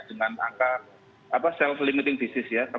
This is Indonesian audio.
dengan angka self limiting disease ya